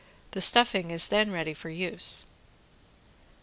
The stuffing is then ready for use.